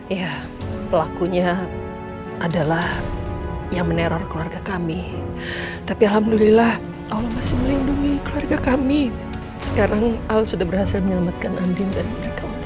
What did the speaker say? ya pelakunya adalah yang meneror keluarga kami tapi alhamdulillah allah masih melindungi keluarga kami sekarang al sudah berhasil menyelamatkan andin dan mereka